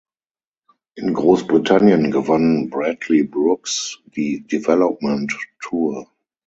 In Großbritannien gewann Bradley Brooks die Development Tour.